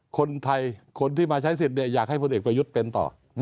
คนไทยคนที่มาใช้สิทธิ์อยากให้พลเอกประยุทธ์เป็นต่อ